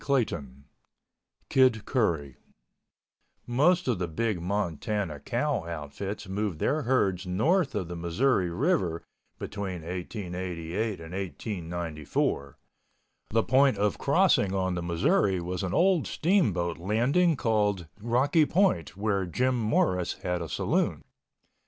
CHAPTER XI KID CURRY Most of the big Montana cow outfits moved their herds north of the Missouri River between 1888 and 1894. The point of crossing on the Missouri was an old steamboat landing called Rocky Point where Jim Norris had a saloon.